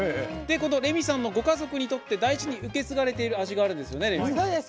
このレミさんのご家族にとって大事に受け継がれている味があるんですよね。